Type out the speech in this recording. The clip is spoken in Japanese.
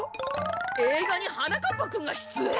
えいがにはなかっぱくんがしゅつえん！？